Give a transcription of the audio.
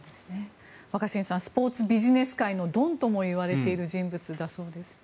若新さんスポーツビジネス界のドンともいわれている人物だそうです。